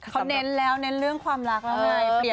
เขาเน้นแล้วเน้นเรื่องความรักแล้วไง